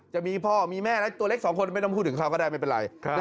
จะมีพ่อมีแม่และตัวเล็กสองคนไม่ต้องพูดถึงเขาก็ได้ไม่เป็นไร